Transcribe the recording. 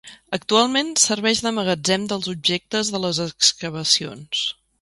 Actualment serveix de magatzem dels objectes de les excavacions.